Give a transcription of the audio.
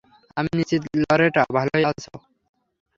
আমি নিশ্চিত লরেটা ভালোই আছে।